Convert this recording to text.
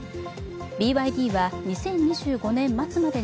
ＢＹＤは２０２５年末までに